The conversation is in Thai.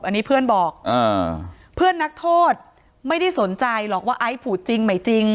อันนี้เพื่อนบอกเพื่อนนักโทษไม่ได้สนใจหรอกว่าไอซ์ผูดจริงไม่จริง